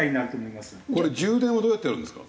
これ充電はどうやってやるんですか？